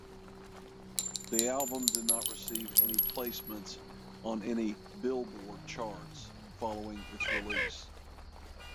The album did not receive any placements on any "Billboard" charts following its release.